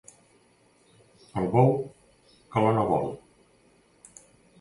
El bou, calor no vol.